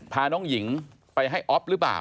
พาน้องหญิงไปให้อ๊อฟหรือเปล่า